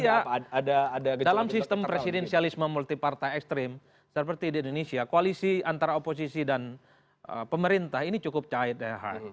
ya dalam sistem presidensialisme multi partai ekstrim seperti di indonesia koalisi antara oposisi dan pemerintah ini cukup cahit ya